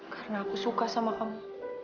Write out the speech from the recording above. karena aku suka sama kamu